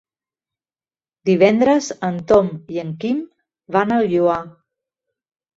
Divendres en Tom i en Quim van al Lloar.